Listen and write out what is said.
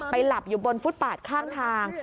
หลับอยู่บนฟุตปาดข้างทาง